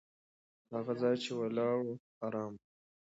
هغه ځای چې ولاړو، ارام و.